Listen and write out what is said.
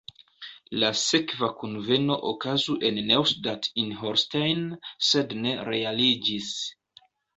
La sekva kunveno okazu en Neustadt in Holstein, sed ne realiĝis.